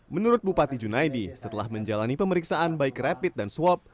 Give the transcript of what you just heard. menurut bupati junaidi setelah menjalani pemeriksaan baik rapid dan swab